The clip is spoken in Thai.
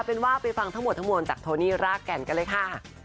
เป็นว่าไปฟังทั้งหมดทั้งมวลจากโทนี่รากแก่นกันเลยค่ะ